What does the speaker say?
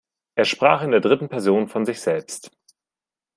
Er sprach in der dritten Person von sich selbst.